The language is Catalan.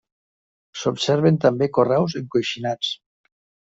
S'observen també carreus encoixinats.